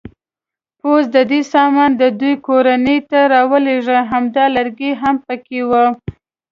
پوځ د ده سامان د دوی کورنۍ ته راولېږه، همدا لرګی هم پکې و.